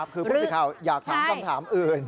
คือผู้สิทธิ์ข่าวอยากถามคำถามอื่น